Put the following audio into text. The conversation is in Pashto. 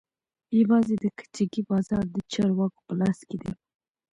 يوازې د کجکي بازار د چارواکو په لاس کښې دى.